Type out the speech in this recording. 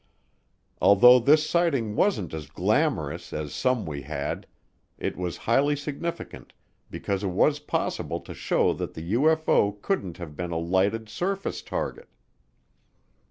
Although this sighting wasn't as glamorous as some we had, it was highly significant because it was possible to show that the UFO couldn't have been a lighted surface target.